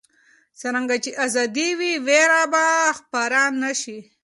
څرنګه چې ازادي وي، ویره به خپره نه شي.